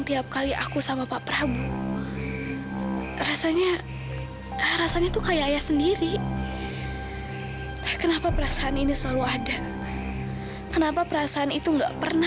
bapak bisa denger suara saya pak